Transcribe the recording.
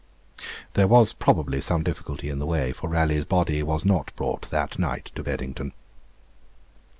There was probably some difficulty in the way, for Raleigh's body was not brought that night to Beddington.